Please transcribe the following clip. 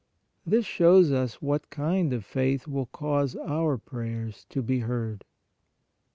This shows us what kind of faith will cause our prayers to be heard.